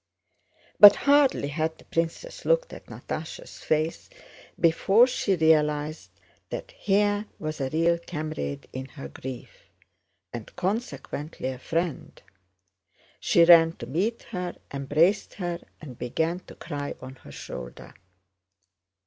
But hardly had the princess looked at Natásha's face before she realized that here was a real comrade in her grief, and consequently a friend. She ran to meet her, embraced her, and began to cry on her shoulder.